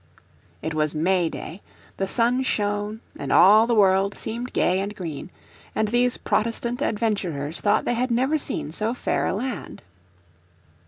It was May Day, the sun shone and all the world seemed gay and green, and these Protestant adventurers thought they had never seen so fair a land.